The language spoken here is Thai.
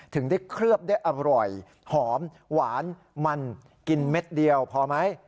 ถึงได้เคลือบได้อร่อยหอมหวานมันกินเม็ดเดียวพอไหม